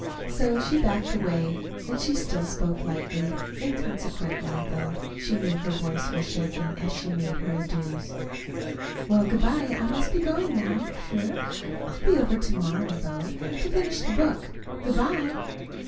So she backed away, and she still spoke lightly, inconsequently, though she knew her voice was shaking, as she made her adieus. "Well, good bye, I must be going now, sure. I'll be over to morrow, though, to finish the book. Good bye."